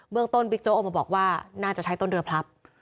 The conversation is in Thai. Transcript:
เมืองต้นบิ๊กโจ๊กออกมาบอกว่าน่าจะใช้ต้นเรือพลับ